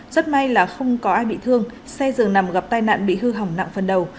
rất may là không có ai bị thương xe dường nằm gặp tai nạn bị hư hỏng nặng phần đầu